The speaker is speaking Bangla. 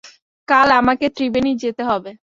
কাল আমাকে ত্রিবেণী যেতে হবে।